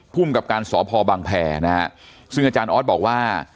ภูมิกับการสพบังแพรนะฮะซึ่งอาจารย์ออสบอกว่า